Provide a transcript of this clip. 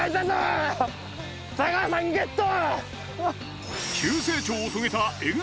太川さんゲット！